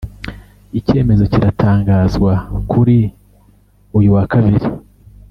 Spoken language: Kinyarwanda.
Icyemezo kiratangazwa kuri uyu wa kabiri